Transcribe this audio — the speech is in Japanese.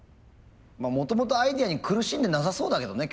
もともとアイデアに苦しんでなさそうだけどね